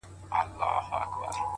عجیبه ده لېونی آمر مي وایي’